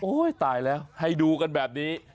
ตายแล้วให้ดูกันแบบนี้